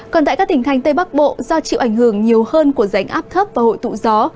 còn tại các tỉnh thành tây bắc bộ do chịu ảnh hưởng nhiều hơn của rãnh áp thấp và hội tụ gió